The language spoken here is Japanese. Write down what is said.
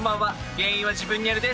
原因は自分にある。です。